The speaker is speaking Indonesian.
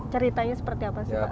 ceritanya seperti apa sih pak